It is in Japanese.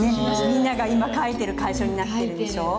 みんなが今書いてる楷書になってるでしょう。